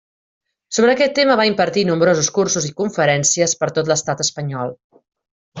Sobre aquest tema va impartir nombrosos cursos i conferències per tot l'estat espanyol.